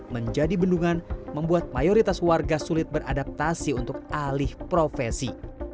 menjadi bendungan membuat mayoritas warga sulit beradaptasi untuk alih profesi